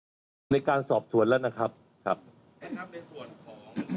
ผมก็สอบของทุกคำให้การของทุกคนไว้อยู่ในคำนวณแล้วครับแล้วได้เช็คกล้อง